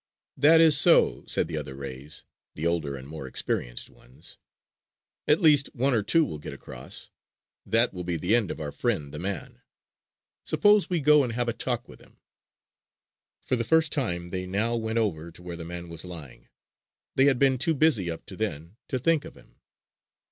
"That is so!" said the other rays, the older and more experienced ones. "At least one or two will get across. That will be the end of our friend, the man! Suppose we go and have a talk with him!" For the first time they now went over to where the man was lying. They had been too busy up to then to think of him.